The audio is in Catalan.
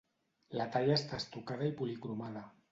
La talla està estucada i policromada.